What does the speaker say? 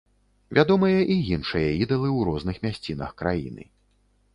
Вядомыя і іншыя ідалы ў розных мясцінах краіны.